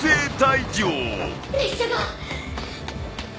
列車が。